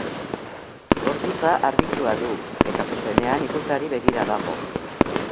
Gorputza argitsua du, eta zuzenean ikusleari begira dago.